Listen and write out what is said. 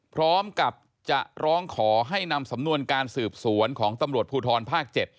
พร้อมกับจะร้องขอให้นำสำนวนการสืบสวนของตำรวจภูทรภาค๗